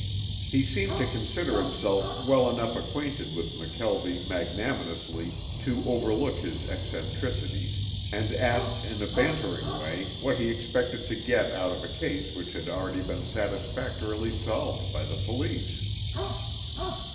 He seemed to consider himself well enough acquainted with McKelvie magnanimously to overlook his eccentricities, and asked in a bantering way what he expected to get out of a case which had already been satisfactorily solved by the police.